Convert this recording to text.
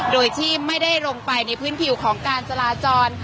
โดยที่ไม่ได้ลงไปในพื้นผิวของการจราจร